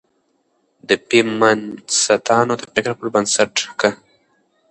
د فيمنستانو د فکر پر بنسټ، که